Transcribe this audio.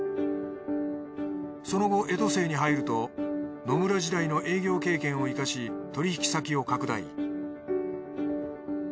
その後江戸清に入ると野村時代の営業経験を活かし取引先を拡大。